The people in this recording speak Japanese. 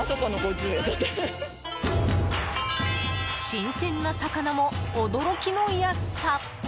新鮮な魚も驚きの安さ！